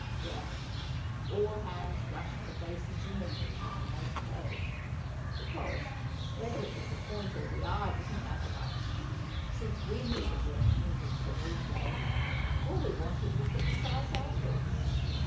Well, all hands rushed for basins and needles, as you may suppose; because, whether it was the point or the eye didn't matter much, since we knew the direction in which the north lay; all we wanted was the precise angle.